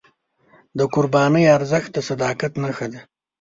د قربانۍ ارزښت د صداقت نښه ده.